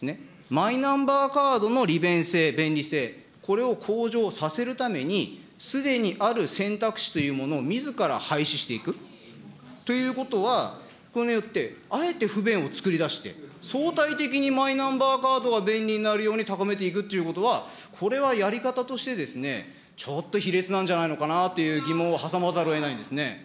マイナンバーカードの利便性、便利性、これを向上させるために、すでにある選択肢というものをみずから廃止していくということは、これによって、あえて不便を作り出して、相対的にマイナンバーカードが便利になるように高めていくということは、これはやり方としてですね、ちょっと卑劣なんじゃないのかなという疑問を挟まざるをえないんですね。